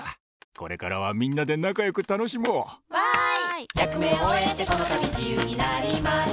これからはみんなでなかよくたのしもう！わい！